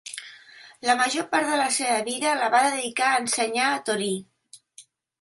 La major part de la seva vida la va dedicar a ensenyar a Torí.